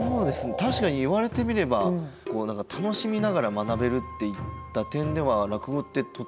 確かに言われてみれば楽しみながら学べるっていった点では落語ってとっ